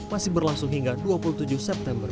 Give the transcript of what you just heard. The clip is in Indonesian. masih berlangsung hingga dua puluh tujuh september